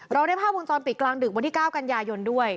เราได้ภาพวงจรปิดกลางดึกวันที่๙กันยายนด้วย